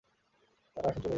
তারা এখন চলে গেছে।